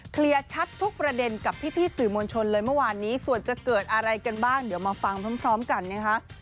เคลียร์ชัดทุกประเด็นกับพี่สื่อมวลชนเลยเมื่อวานนี้ส่วนจะเกิดอะไรกันบ้างเดี๋ยวมาฟังพร้อมกันนะคะ